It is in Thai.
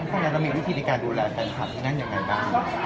เพราะฉะนั้นเรามีวิธีในการดูแลแฟนคลับยังไงนะ